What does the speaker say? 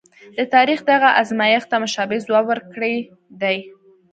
د تاریخ دغه ازمایښت ته مشابه ځواب ورکړی دی.